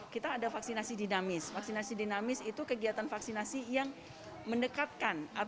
kita ada vaksinasi dinamis vaksinasi dinamis itu kegiatan vaksinasi yang mendekatkan